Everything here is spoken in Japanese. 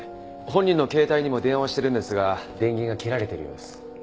本人の携帯にも電話してるんですが電源が切られているようです。